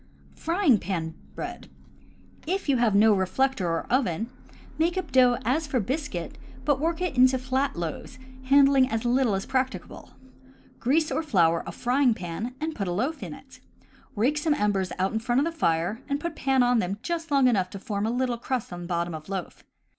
Frying pan Bread. — If you have no reflector or oven, make up dough as for biscuit, but work it into flat loaves, handling as little as practicable. Grease or flour a frying pan and put a loaf in it. Rake some embers out in front of the fire and put pan on them just long enough to form a little crust on bottom of loaf.